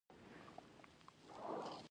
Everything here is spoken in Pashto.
بدرنګه نیت د روح زوال وي